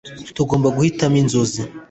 Tugomba guhitamo inzozi